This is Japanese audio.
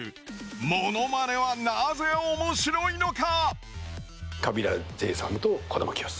ものまねはなぜ、おもしろいのか？